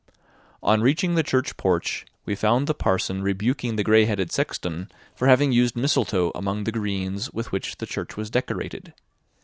On reaching the church porch, we found the parson rebuking the gray headed sexton for having used mistletoe among the greens with which the church was decorated.